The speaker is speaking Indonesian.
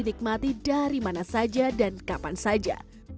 nikmati dari mana saja dan kapan saja